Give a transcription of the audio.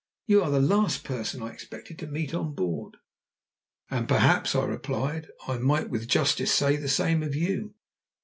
You are the last person I expected to meet on board." "And perhaps," I replied, "I might with justice say the same of you."